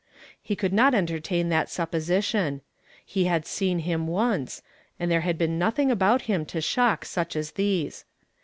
lie could not entertain that supposition ; lie had seen him once, and there had been nothing about him to shock such as these.